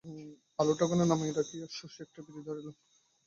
আলোটা ওখানে নামাইয়া রাখিয়া শশী একটা বিড়ি ধরাইল।